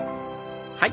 はい。